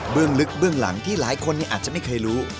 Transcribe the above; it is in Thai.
ลึกเบื้องหลังที่หลายคนอาจจะไม่เคยรู้